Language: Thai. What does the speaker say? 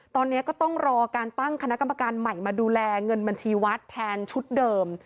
ตอนนี้ก็ต้องรอการตั้งคณะกรรมการใหม่มาดูแลเงินบัญชีวัดแทนชุดเดิม